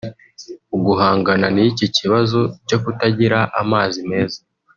Mu guhangana n’iki kibazo cyo kutagira amazi meza